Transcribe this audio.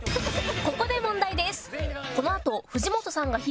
「ここで問題です」